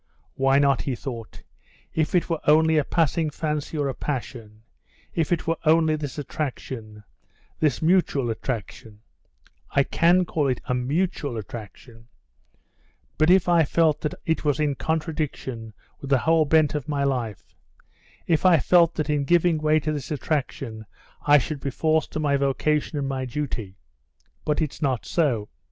"Why not?" he thought. "If it were only a passing fancy or a passion, if it were only this attraction—this mutual attraction (I can call it a mutual attraction), but if I felt that it was in contradiction with the whole bent of my life—if I felt that in giving way to this attraction I should be false to my vocation and my duty ... but it's not so.